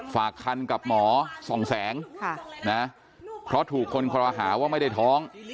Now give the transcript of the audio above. ฝากคันกับหมอส่องแสงเพราะถูกคนคอรหาว่าไม่ได้ท้อง